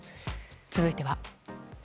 続いては。